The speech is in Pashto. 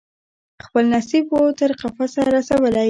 خپل نصیب وو تر قفسه رسولی